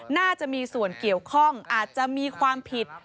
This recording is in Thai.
น่าจะมีส่วนเกี่ยวข้องอาจจะมีความผิด